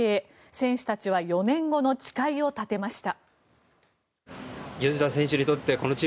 選手たちは４年後の誓いを立てました。